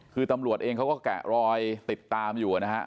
คือตำรวจเองเขาก็แกะรอยติดตามอยู่นะฮะ